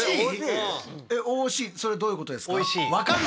それどういうことですか？